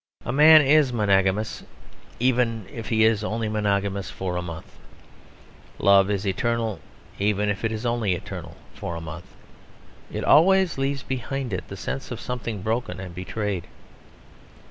A man is monogamous even if he is only monogamous for a month; love is eternal even if it is only eternal for a month. It always leaves behind it the sense of something broken and betrayed.